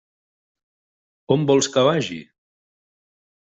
On vols que vagi?